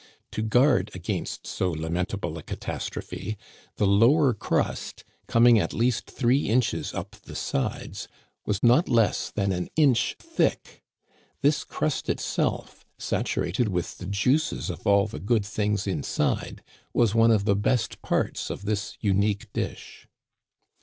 To guard against so lamentable a catastro phe, the lower crust, coming at least three inches up the sides, was not less than an inch thick. This crust itself, saturated with the juices of all the good things inside, was one of the best parts of this unique dish.